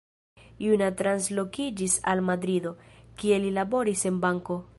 Juna translokiĝis al Madrido, kie li laboris en banko.